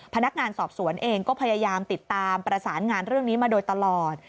พนักงานสอบสวนเองก็พยายามติดตามประสานงานเรื่องนี้มาโดยตลอด